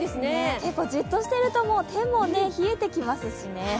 結構じっとしていると手も冷えてきますしね。